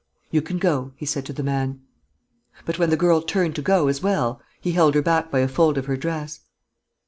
"You can go," he said to the man. But, when the girl turned to go as well, he held her back by a fold of her dress.